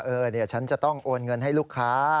เดี๋ยวฉันจะต้องโอนเงินให้ลูกค้า